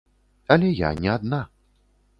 Але я не адна.